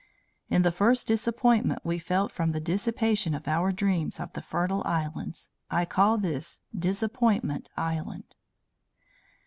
In the first disappointment we felt from the dissipation of our dream of the fertile islands, I called this Disappointment Island.